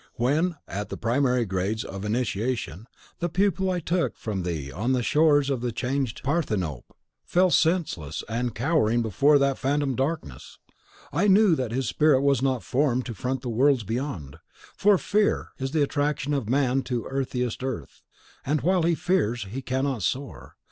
When, at the primary grades of initiation, the pupil I took from thee on the shores of the changed Parthenope, fell senseless and cowering before that Phantom Darkness, I knew that his spirit was not formed to front the worlds beyond; for FEAR is the attraction of man to earthiest earth, and while he fears, he cannot soar.